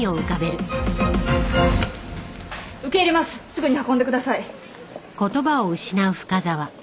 すぐに運んでください。